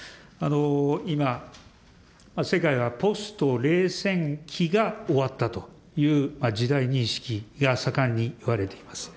今、世界はポスト冷戦期が終わったという時代認識が盛んにいわれています。